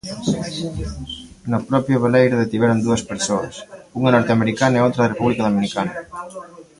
No propio veleiro detiveron dúas persoas, unha norteamericana e outra da República Dominicana.